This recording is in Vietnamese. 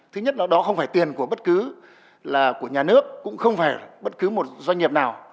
thứ nhất đó không phải tiền của bất cứ nhà nước cũng không phải bất cứ một doanh nghiệp nào